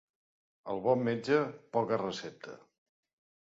El bon metge, poca recepta.